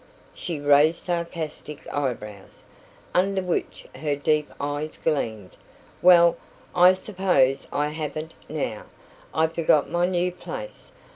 She raised sarcastic eyebrows, under which her deep eyes gleamed. "Well, I suppose I haven't now. I forgot my new place.